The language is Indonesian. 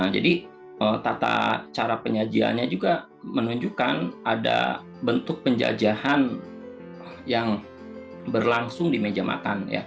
jadi tata cara penyajiannya juga menunjukkan ada bentuk penjajahan yang berlangsung di meja makan